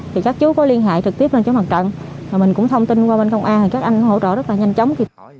thì các chú có liên hệ trực tiếp lên chỗ mặt trận mình cũng thông tin qua bên công an các anh hỗ trợ rất là nhanh chóng